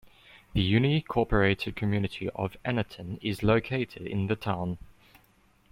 The unincorporated community of Annaton is located in the town.